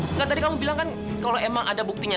enggak tadi kamu bilang kan kalau emang ada buktinya